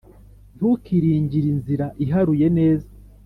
Ntukiringire inzira iharuye neza,